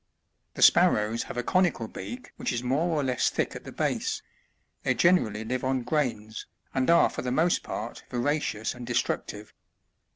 68. The Sparrows have a conical beak which is more or less thick at the base ; they generally live on grains, and are for the most part voracious and destructive.